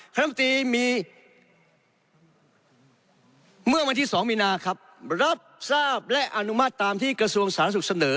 คำตีมีเมื่อวันที่๒มีนาครับรับทราบและอนุมัติตามที่กระทรวงสาธารณสุขเสนอ